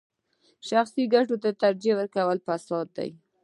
شخصي ګټو ته ترجیح ورکول فساد دی.